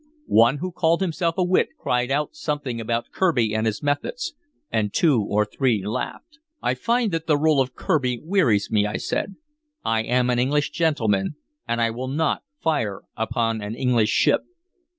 One who called himself a wit cried out something about Kirby and his methods, and two or three laughed. "I find that the role of Kirby wearies me," I said. "I am an English gentleman, and I will not fire upon an English ship."